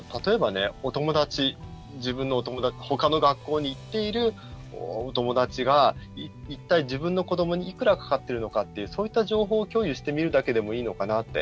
例えばほかの学校に行っているお友達が一体、自分の子どもにいくらかかっているのかというそういう情報を共有するだけでもいいのかなって。